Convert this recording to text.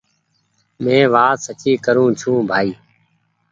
مينٚ وآت سچي ڪرون ڇوٚنٚ بآئي